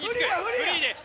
フリーや！